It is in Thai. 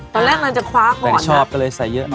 ตอนแรกเราจะคว้าก่อนนะแต่ชอบก็เลยใส่เยอะหน่อย